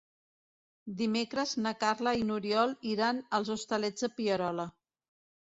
Dimecres na Carla i n'Oriol iran als Hostalets de Pierola.